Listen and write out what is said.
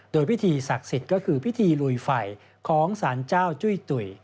โดยพิธีศักดิ์สิทธิ์ก็คือพิธีลุยไฟของสารเจ้าจุ้ยตุ๋ย